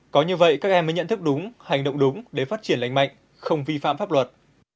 có như vậy các em mới nhận thức đúng hành động đúng để phát triển lành mạnh không vi phạm pháp luật